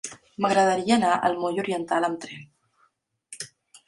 M'agradaria anar al moll Oriental amb tren.